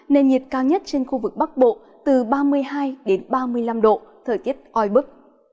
nền nhiệt cao nhất trên khu vực bắc bộ từ ba mươi hai đến ba mươi năm độ thời tiết oi bức